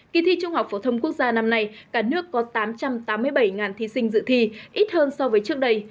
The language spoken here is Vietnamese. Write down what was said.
kỳ thi trung học phổ thông quốc gia năm nay cả nước có tám trăm tám mươi bảy thí sinh dự thi ít hơn so với trước đây